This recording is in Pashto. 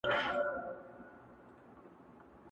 لکه برېښنا هسي د ژوند پر مزار وځلېده.!